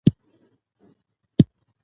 ورور مې ډېره تسلا راکړه.